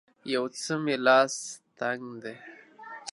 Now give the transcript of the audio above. یو څه مې لاس تنګ دی